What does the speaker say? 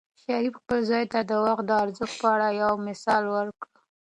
شریف خپل زوی ته د وخت د ارزښت په اړه یو مثال ورکړ.